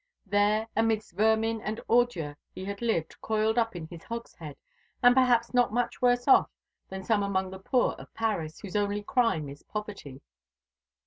There, amidst vermin and ordure, he had lived, coiled up in his hogshead, and perhaps not much worse off than some among the poor of Paris, whose only crime is poverty."